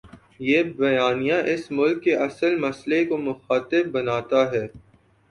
یہ بیانیہ اس ملک کے اصل مسئلے کو مخاطب بناتا ہے۔